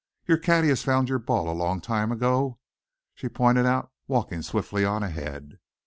"Your caddy has found your ball a long time ago," she pointed out, walking swiftly on ahead.